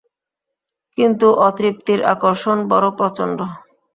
কিন্তু অতৃপ্তির আকর্ষণ বড়ো প্রচণ্ড।